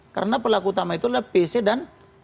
karena pelaku utama itu adalah pc dan